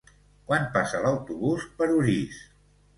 Quan passa l'autobús per Orís?